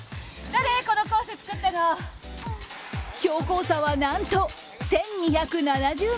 標高差はなんと１２７０ｍ。